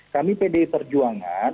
kami pdi perjuangan